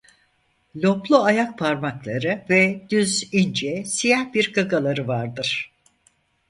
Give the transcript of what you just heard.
Loplu ayak parmakları ve düz ince siyah bir gagaları vardır.